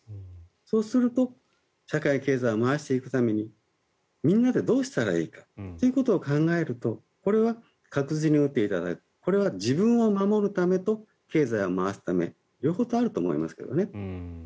そうすると社会経済を回していくためにみんなでどうしたらいいかということを考えるとこれは確実に打っていただくこれは自分を守るためと経済を回すため両方あると思いますけどね。